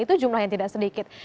itu jumlah yang tidak sedikit